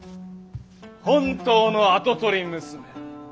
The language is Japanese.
本当の跡取り娘。